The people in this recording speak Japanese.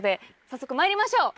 早速まいりましょう！